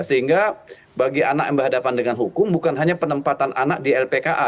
sehingga bagi anak yang berhadapan dengan hukum bukan hanya penempatan anak di lpka